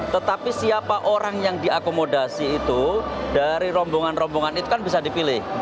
tetapi siapa orang yang diakomodasi itu dari rombongan rombongan itu kan bisa dipilih